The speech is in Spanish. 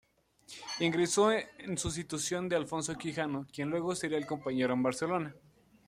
Ingresó en sustitución de Alfonso Quijano, quien luego sería su compañero en Barcelona.